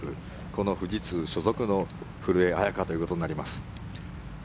この富士通所属の古江彩佳ということになります。